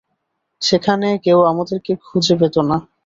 সেখানে, কেউ আমাদেরকে খুঁজে পেতো না।